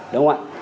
đúng không ạ